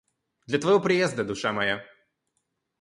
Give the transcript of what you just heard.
Для твоего приезда, душа моя.